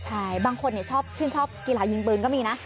ใช่บางคนชอบชื่นชอบกีฬายิงปืนก็มีนะ